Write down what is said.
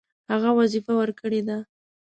هغه وظیفه ورکړې ده.